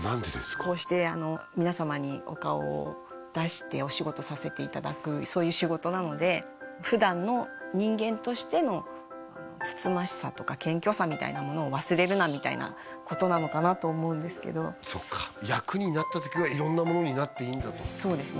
こうしてあの皆様にお顔を出してお仕事させていただくそういう仕事なので普段の人間としてのあの慎ましさとか謙虚さみたいなものを忘れるなみたいなことなのかなと思うんですけどそっか役になった時は色んなものになっていいんだとそうですね